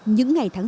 những ngày tháng sáu